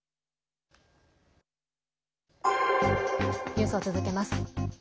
ニュースを続けます。